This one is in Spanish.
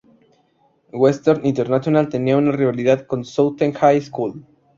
Western International tenía una rivalidad con "Southwestern High School".